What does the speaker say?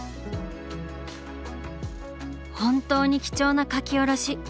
本当に貴重な描き下ろし！